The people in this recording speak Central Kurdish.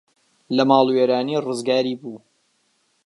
لە ماڵوێرانی ڕزگاری بوو